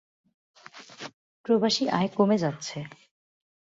প্রবাসী আয় কমে যাচ্ছে।